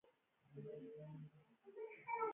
له احمد سره پام کوئ؛ ډېر لاس وهونکی دی.